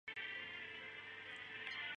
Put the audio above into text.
国际名人录封为亚洲五百大领导者之一。